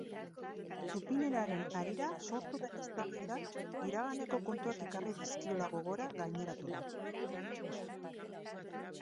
Txupineraren harira sortu den eztabaidak iraganeko kontuak ekarri dizkiola gogora gaineratu du.